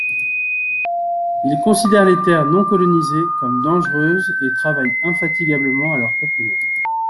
Il considère les terres non colonisées comme dangereuses et travaille infatigablement à leur peuplement.